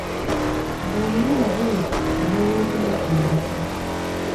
Bw’omulaba bw’oti olowooza nti muntu.